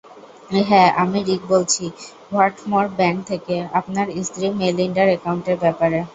হ্যাঁ আমি রিক বলছি হোয়াটমোর ব্যাংক থেকে, আপনার স্ত্রী মেলিন্ডার একাউন্টের ব্যাপারে।